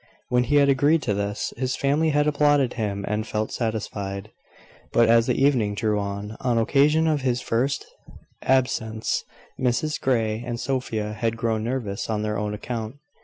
When he had agreed to this, his family had applauded him and felt satisfied: but as the evening drew on, on occasion of this his first absence, Mrs Grey and Sophia had grown nervous on their own account.